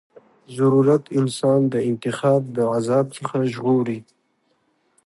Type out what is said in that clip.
ضرورت انسان د انتخاب د عذاب څخه ژغوري.